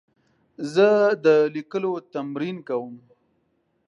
زه د لیکلو تمرین کوم.